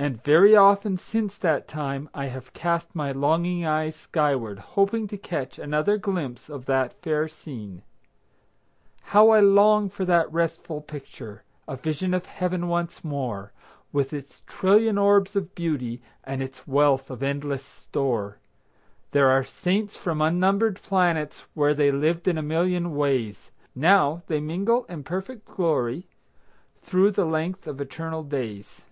And very often since that time I have cast my longing eyes skyward, hoping to catch another glimpse of that fair scene. How I long for that restful picture, A vision of Heaven, once more; With its trillion orbs of beauty, And its wealth of endless store. There are saints from unnumbered planets, Where they lived in a million ways. Now they mingle in perfect glory, Through the length of eternal days.